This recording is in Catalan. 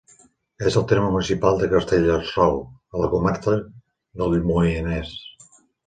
És en el terme municipal de Castellterçol, a la comarca del Moianès.